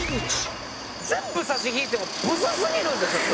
全部差し引いてもブスすぎるんですよ。